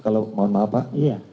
kalau mohon maaf pak